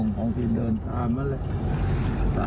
น้องพระยืนลูกเก้มเลยสิ